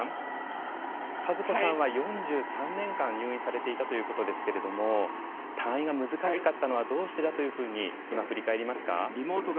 和子さんは４３年間入院されていたということですけれども退院が難しかったのはどうしてだというふうに今振り返りますか？